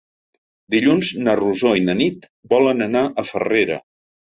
Dilluns na Rosó i na Nit volen anar a Farrera.